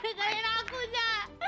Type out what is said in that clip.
bisa bisa jadikan aku ya